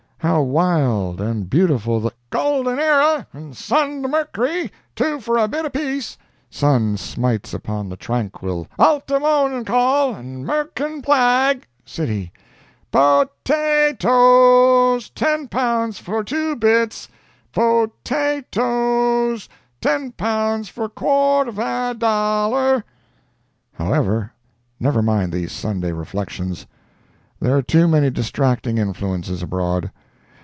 How wild and beautiful the ("Golden Era 'n' Sund' Mercry, two for a bit apiece!") sun smites upon the tranquil ("Alta, Mon' Call, an' Merican Flag!") city! ("Po ta to o o es, ten pounds for two bits—po ta to o o es, ten pounds for quart va dollar!" ) However, never mind these Sunday reflections—there are too many distracting influences abroad.